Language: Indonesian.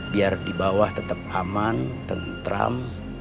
biar di bawah tetap aman tentram